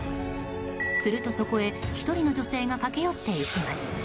するとそこへ、１人の女性が駆け寄っていきます。